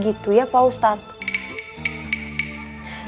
gitu ya pak ustadz